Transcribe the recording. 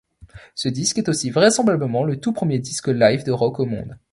Ce disque est aussi vraisemblablement le tout premier disque live de rock au monde.